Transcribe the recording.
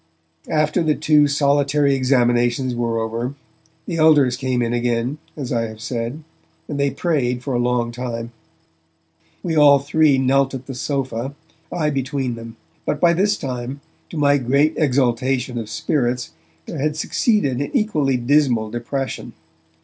After the two solitary examinations were over, the elders came in again, as I have said, and they prayed for a long time. We all three knelt at the sofa, I between them. But by this time, to my great exaltation of spirits there had succeeded an equally dismal depression.